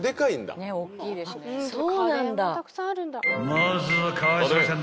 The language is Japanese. ［まずは川島ちゃん